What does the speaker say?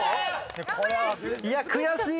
いや悔しい！